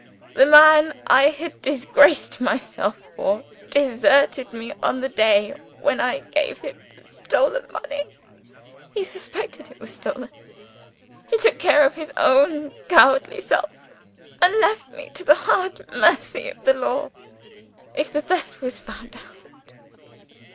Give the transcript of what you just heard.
The man I had disgraced myself for, deserted me on the day when I gave him the stolen money. He suspected it was stolen; he took care of his own cowardly self and left me to the hard mercy of the law, if the theft was found out.